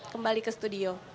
kembali ke studio